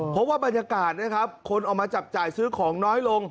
เพราะว่าบรรยากาศนะครับคนออกมาจับจ่ายซื้อของน้อยลง